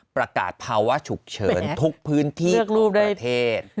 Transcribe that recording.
ประกาศภาวะฉุกเฉินทุกพื้นที่ของประเทศ